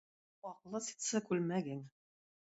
Аклы ситсы күлмәгең